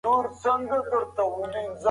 موږ د علت او معلول اړیکي لټوو.